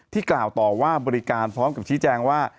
กล่าวต่อว่าบริการพร้อมกับชี้แจงว่า